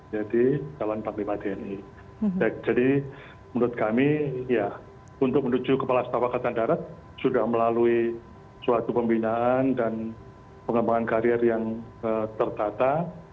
jadi menurut kami untuk menuju kepala staf angkatan darat sudah melalui suatu pembinaan dan pengembangan karir yang tertata